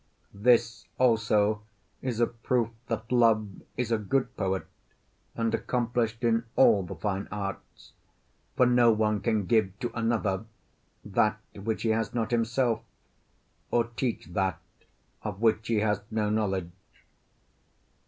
this also is a proof that Love is a good poet and accomplished in all the fine arts; for no one can give to another that which he has not himself, or teach that of which he has no knowledge.